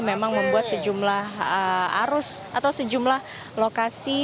memang membuat sejumlah arus atau sejumlah lokasi